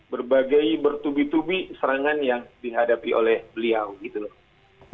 berbagai bertubi tubi serangan yang dihadapi oleh beliau gitu loh